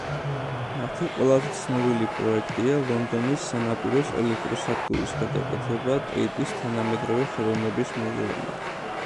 მათი ყველაზე ცნობილი პროექტია ლონდონის სანაპიროს ელექტრო სადგურის გადაკეთება ტეიტის თანამედროვე ხელოვნების მუზეუმად.